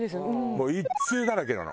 もう一通だらけなの。